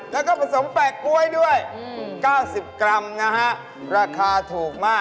แล้วก็ผสมแปลกก๊วยด้วย๙๐กรัมนะฮะราคาถูกมาก